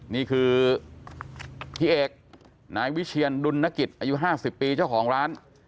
นี่คือพี่เอกนายวิเชียนดุลนกิจอายุ๕๐ปีเจ้าของร้าน